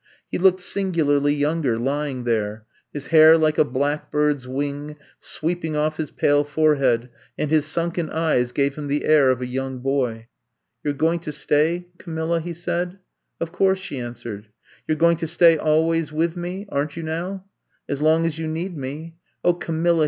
He looked singularly younger lying there; his hair like a black bird's wing sweeping off his pale forehead and his sunken eyes gave him the air of a young boy. *'You 're going to stay, Camilla," he said. Of course, '' she answered. You 're going to stay always with me, aren't you now?" As long as you need me." *'0h, Camilla!"